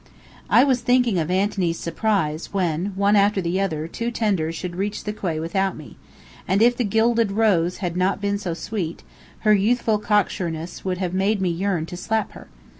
_ I was thinking of Anthony's surprise when one after the other, two tenders should reach the quay without me; and if the Gilded Rose had not been so sweet, her youthful cocksureness would have made me yearn to slap her.